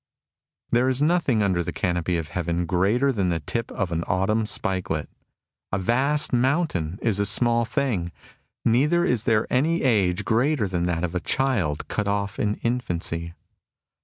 There is nothing under the canopy of heaven greater than the tip of an autumn spikelet. A vast mountain is a small thing. Neither is there any age greater than that of a child cut off in infancy.